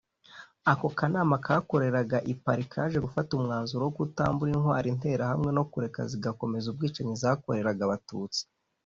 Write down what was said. Ako kanama kakoreraga i Paris kaje gufata umwanzuro wo kutambura intwaro Interahamwe no kureka zigakomeza ubwicanyi zakoreraga Abatutsi